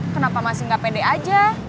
kenapa masih nggak pede aja